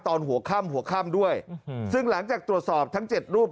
ตอนหัวค่ำหัวค่ำด้วยซึ่งหลังจากตรวจสอบทั้ง๗รูป